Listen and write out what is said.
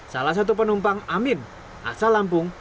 salah satu penumpang amin asal lampung